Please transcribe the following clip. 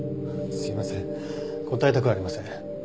すいません答えたくありません。